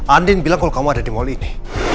andin bilang kalau kamu ada di mal ini